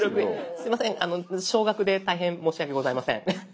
すいません少額で大変申し訳ございません。